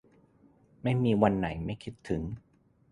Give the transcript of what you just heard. ไม่มีวันไหนไม่คิดถึง